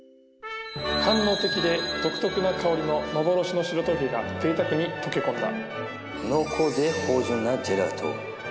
官能的で独特な香りの幻の白トリュフが贅沢に溶け込んだ。